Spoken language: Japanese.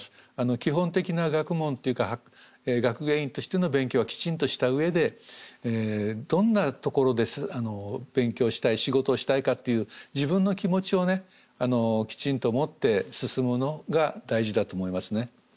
基本的な学問というか学芸員としての勉強はきちんとした上でどんなところで勉強したい仕事をしたいかっていう自分の気持ちをねきちんと持って進むのが大事だと思いますね。